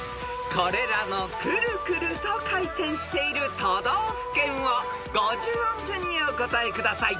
［これらのくるくると回転している都道府県を五十音順にお答えください］